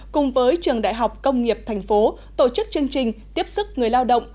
cùng với trường đại học công nghiệp tp hcm tổ chức chương trình tiếp sức người lao động